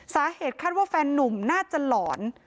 สาเหตุคาดว่าแฟนนุ่มน่าจะหลอน